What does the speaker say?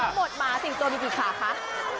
หมดหมา๔ตัวมีกี่ขาคะ